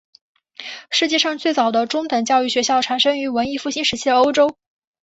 世界上最早的中等教育学校产生于文艺复兴时期的欧洲。